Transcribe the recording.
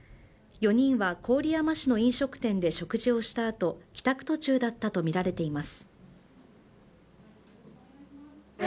４人は郡山市の飲食店で食事をした後帰宅途中だったとみられています。